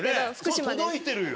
届いてるよ。